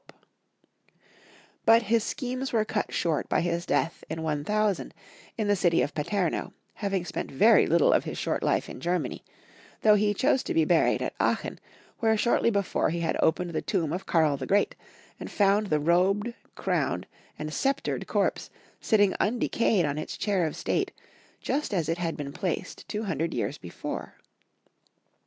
the Wonder. 101 But his schemes were cut short by his death in 1000, in the city of Paterno, having spent very little of his short hfe in Germany, though he chose to be buried at Aachen, where shortly before he had opened the tomb of Karl the Great, and found the robed, crowned, and sceptred corpse sitting undecayed on its chair of state just as it had been placed 200 years before.